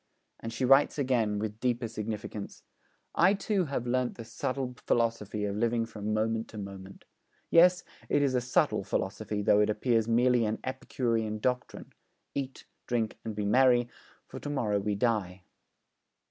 And she writes again, with deeper significance: 'I too have learnt the subtle philosophy of living from moment to moment. Yes, it is a subtle philosophy though it appears merely an epicurean doctrine: "Eat, drink, and be merry, for to morrow we die."